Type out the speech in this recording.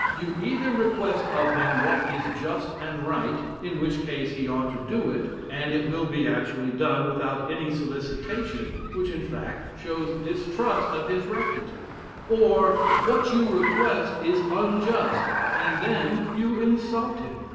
You either request of him what is just and right, in which case he ought to do it, and it will be actually done without any solicitation, which in fact, shows distrust of his rectitude; or what you request is unjust, and then you insult him.